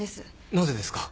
なぜですか？